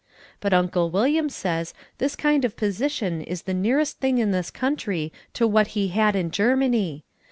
But Uncle William says this kind of position is the nearest thing in this country to what he had in Germany.